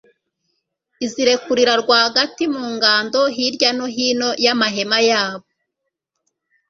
izirekurira rwagati mu ngando, hirya no hino y'amahema yabo